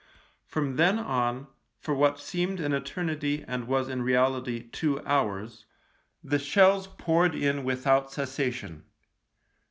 From then on, for what seemed an eternity and was in reality two hours, the shells poured in without cessation.